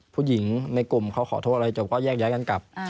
ผู้หญิงในกลุ่มเขาขอโทษอะไรจบก็แยกย้ายกันกลับ